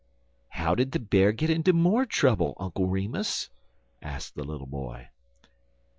"How did the Bear get into more trouble, Uncle Remus?" asked the little boy.